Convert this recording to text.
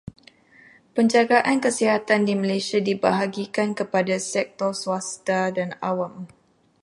Penjagaan kesihatan di Malaysia dibahagikan kepada sektor swasta dan awam.